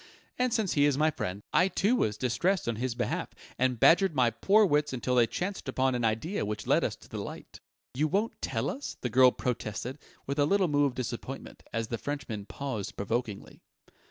And since he is my friend, I too was distressed on his behalf, and badgered my poor wits until they chanced upon an idea which led us to the light." "You won't tell us?" the girl protested, with a little moue of disappointment, as the Frenchman paused provokingly.